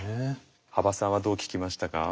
羽馬さんはどう聞きましたか？